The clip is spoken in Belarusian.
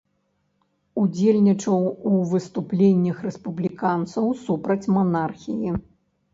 Удзельнічаў у выступленнях рэспубліканцаў супраць манархіі.